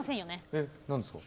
え何ですか？